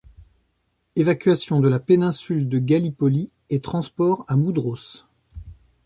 Évacuation de la péninsule de Gallipoli et transport à Moudros.